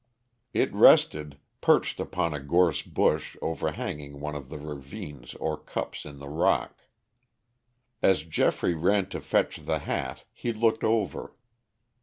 It rested, perched upon a gorse bush overhanging one of the ravines or cups in the rock. As Geoffrey ran to fetch the hat he looked over.